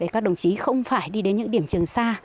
các đồng chí không phải đi đến những điểm trường xa